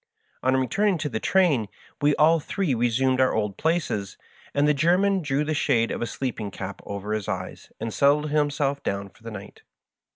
On returning to the train we all three resumed our old places, and the German drew the shade of a sleeping cap over his eyes and settled himself down for the night.